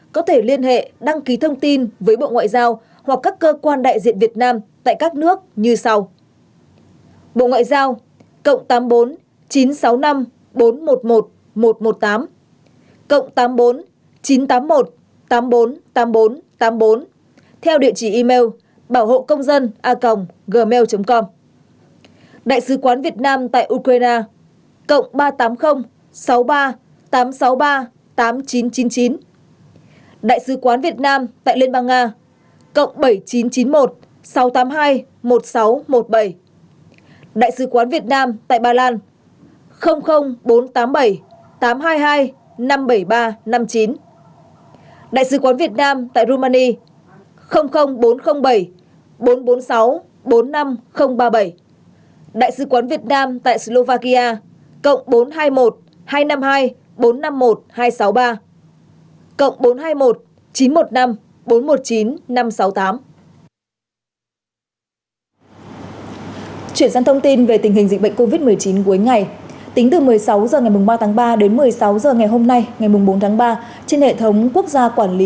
có thể liên hệ đăng ký thông tin với bộ ngoại giao hoặc các cơ quan đại diện việt nam tại các nước như sau